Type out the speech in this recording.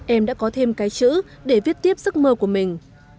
em đã có thêm cái chữ để viết tiếp giấc mơ của mình